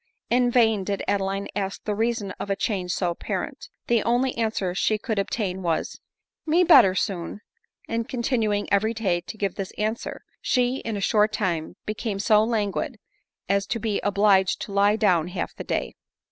In vain did Adeline ask the reason of a change so apparent ; the only answer she could obtain was, " me better soon ;" and, continuing every day to give this answer, she in a short time became so languid as to be obliged to lie down half the day.